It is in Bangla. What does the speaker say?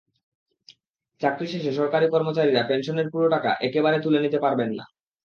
চাকরি শেষে সরকারি কর্মচারীরা পেনশনের পুরো টাকা একবারে তুলে নিতে পারবেন না।